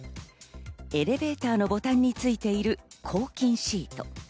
エレベーターのボタンについている抗菌シート。